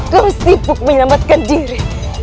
kau sibuk menyelamatkan diri